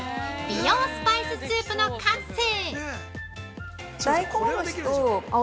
美容スパイススープの完成！